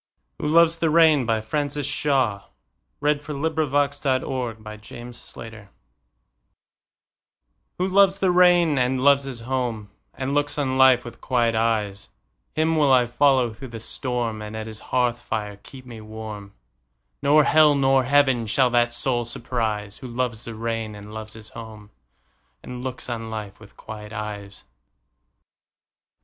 (1860–1936). The New Poetry: An Anthology. 1917. Who Loves the Rain By Frances Shaw WHO loves the rainAnd loves his home, And looks on life with quiet eyes, Him will I follow through the storm; And at his hearth fire keep me warm; Nor hell nor heaven shall that soul surprise, Who loves the rain, And loves his home, And looks on life with quiet eyes.